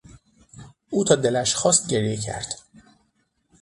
او تا دلش خواست گریه کرد.